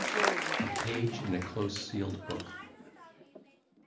117 A PAGE IN A CLOSE SEALED BOOK.